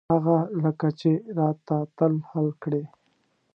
هغه لکه چې را ته ته حل کړې.